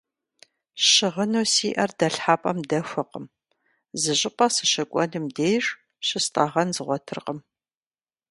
Щыгъыну сиӏэр дэлъхьэпӏэм дэхуэкъым, зы щӏыпӏэ сыщыкӏуэнум деж щыстӏэгъэн згъуэтыркъым.